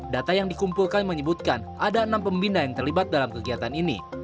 data yang dikumpulkan menyebutkan ada enam pembina yang terlibat dalam kegiatan ini